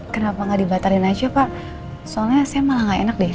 kenapa nggak dibatarin aja pak soalnya saya malah gak enak deh